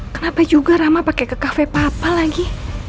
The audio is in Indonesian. kenapa juga rama pake ke kafe papa lagi